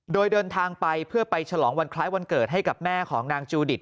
โดยเดินทางไปเพื่อไปฉลองวันคล้ายวันเกิดให้กับแม่ของนางจูดิต